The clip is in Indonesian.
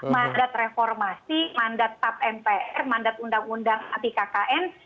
mandat reformasi mandat tap mpr mandat undang undang anti kkn